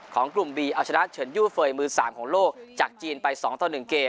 ของกลุ่มบีเอาชนะเฉินยู่เฟย์มือสามของโลกจากจีนไปสองต่อหนึ่งเกลียว